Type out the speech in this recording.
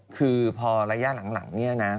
คือพอระยะหลังเนี่ยนะ